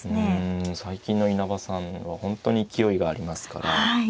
うん最近の稲葉さんは本当に勢いがありますから。